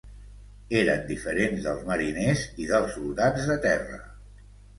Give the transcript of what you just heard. Eren diferents dels mariners i dels soldats de terra.